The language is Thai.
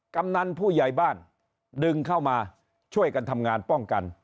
กำนันผู้ใหญ่บ้านดึงเข้ามาช่วยกันทำงานป้องกัน